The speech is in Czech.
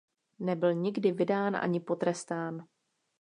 Nebyl nikdy vydán ani potrestán.